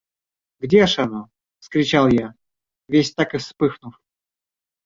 – Где ж оно? – вскричал я, весь так и вспыхнув.